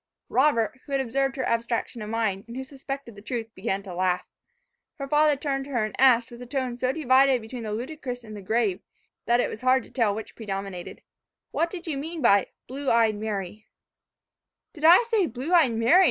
Robert, who had observed her abstraction of mind, and who suspected the truth, began to laugh. Her father turned to her and asked, with a tone so divided between the ludicrous and the grave, that it was hard to tell which predominated, "What do you mean by 'blue eyed Mary'?" "Did I say blue eyed Mary?"